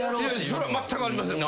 それはまったくありません。